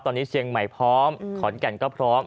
ตอนนี้เชียงใหม่พร้อมขอนแก่นก็พร้อม